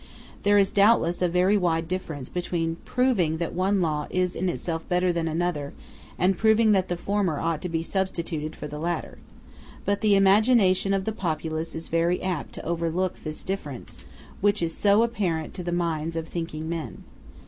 There is doubtless a very wide difference between proving that one law is in itself better than another and proving that the former ought to be substituted for the latter. But the imagination of the populace is very apt to overlook this difference, which is so apparent to the minds of thinking men.